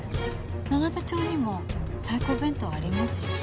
永田町にもサイコー弁当ありますよ。